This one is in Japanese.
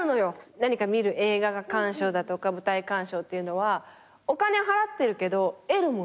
何か見る映画鑑賞だとか舞台鑑賞っていうのはお金払ってるけど得るもの